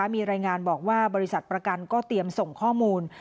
มีรายงานบอกว่าบริษัทประกันก็เตรียมส่งข้อมูล